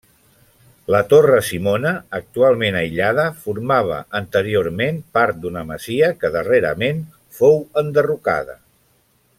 La Torre Simona, actualment aïllada, formava anteriorment part d'una masia que darrerament fou enderrocada.